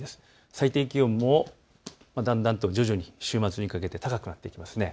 最低気温もだんだんと徐々に週末にかけて高くなっていきます。